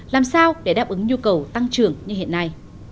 làm sao để đáp ứng nhu cầu tăng trưởng như hiện nay